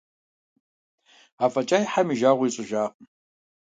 АфӀэкӀаи Хьэм и жагъуэ ищӀыжакъым.